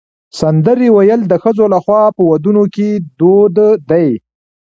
سندرې ویل د ښځو لخوا په ودونو کې دود دی.